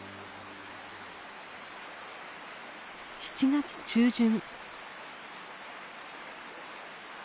７月中旬。